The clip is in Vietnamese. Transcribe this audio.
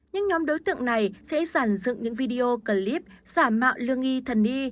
những nhóm đối tượng này sẽ giản dựng những video clip giả mạo lương nghi thần đi